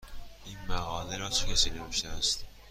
این مقاله را چه کسی نوشته است؟